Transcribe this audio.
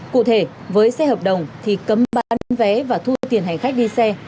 cụ thể với xe hợp đồng thì cấm bán vé và thu tiền hành khách đi xe